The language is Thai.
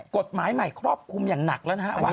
กฎหมายไหนครอบคุมอย่างหนักแล้วนะครับ